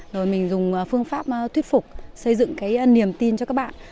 rồi mình dùng phương pháp thuyết phục xây dựng cái niềm tin cho các bạn